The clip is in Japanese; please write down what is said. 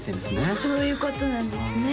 あそういうことなんですね